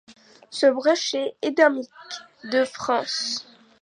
Ce brochet est endémique de France.